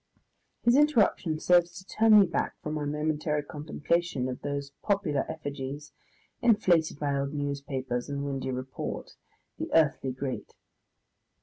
His interruption serves to turn me back from my momentary contemplation of those popular effigies inflated by old newspapers and windy report, the earthly great.